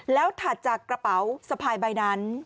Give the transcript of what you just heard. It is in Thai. แล้วถัดจากกระเป๋าสะพายใบนั้น